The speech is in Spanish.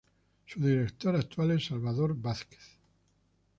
Su director actual es Salvador Vázquez.